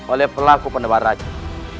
oleh pelaku penawar racun